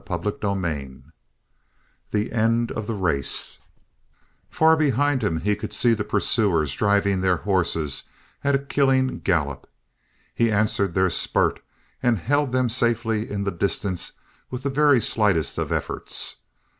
CHAPTER XXVII THE END OF THE RACE Far behind him he could see the pursuers driving their horses at a killing gallop. He answered their spurt and held them safely in the distance with the very slightest of efforts.